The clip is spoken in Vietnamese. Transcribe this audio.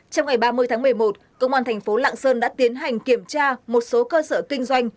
trong ngày ba mươi tháng một mươi một công an thành phố lạng sơn đã tiến hành kiểm tra một số cơ sở kinh doanh